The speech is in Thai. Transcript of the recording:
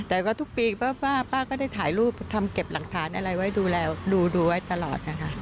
แต่ว่าทุกปีป้าก็ได้ถ่ายรูปทำเก็บหลักฐานอะไรไว้ดูแลดูไว้ตลอดนะคะ